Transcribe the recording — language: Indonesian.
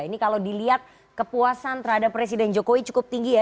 ini kalau dilihat kepuasan terhadap presiden jokowi cukup tinggi ya